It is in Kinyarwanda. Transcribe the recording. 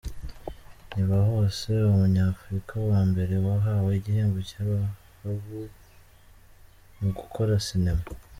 Ntibahose, Umunyafurika wa mbere wahawe igihembo cya Zahabu mu gukora Sinema